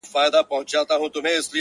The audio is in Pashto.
هره شېبه ولګېږي زر شمعي؛